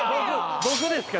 僕ですか？